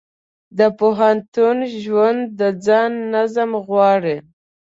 د پوهنتون ژوند د ځان نظم غواړي.